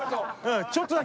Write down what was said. ちょっとだけ。